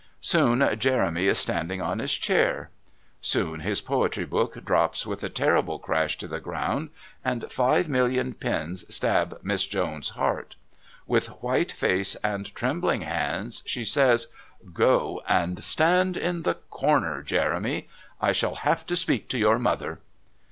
Soon Jeremy is standing on his chair. Soon his poetry book drops with a terrible crash to the ground, and five million pins stab Miss Jones's heart. With white face and trembling hands, she says: "Go and stand in the corner, Jeremy! I shall have to speak to your mother!"